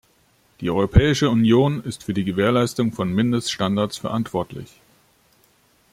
Die Europäische Union ist für die Gewährleistung von Mindeststandards verantwortlich.